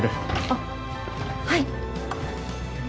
あっはい。